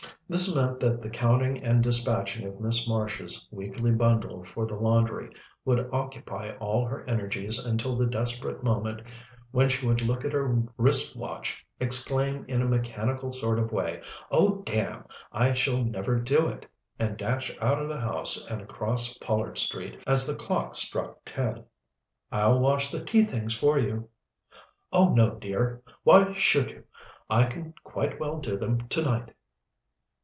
This meant that the counting and dispatching of Miss Marsh's weekly bundle for the laundry would occupy all her energies until the desperate moment when she would look at her wrist watch, exclaim in a mechanical sort of way, "Oh, damn! I shall never do it!" and dash out of the house and across Pollard Street as the clock struck ten. "I'll wash the tea things for you." "Oh, no, dear! Why should you? I can quite well do them to night."